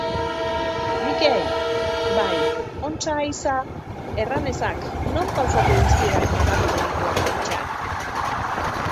Mikel! Bai, ontsa haiza? Erran ezak, non pausatu dizkidak manatu genituen afitxak?